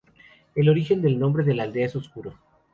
El origen del nombre de la aldea es oscuro.